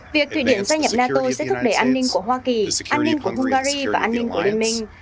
việc thụy điển gia nhập nato sẽ thúc đẩy an ninh của hoa kỳ an ninh của hungary và an ninh của liên minh